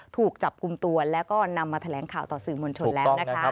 ถูกจับคุมตัวและก็นำมาแถลงข่าวต่อสื่อมนต์ชนแล้ว